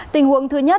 tình huống thứ nhất